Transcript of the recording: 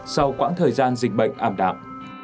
sau quãng thời gian dịch bệnh ảm đạp